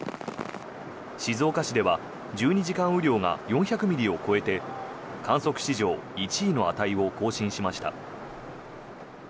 静岡市では１２時間雨量が４００ミリを超えて観測史上１位の値を更新しました。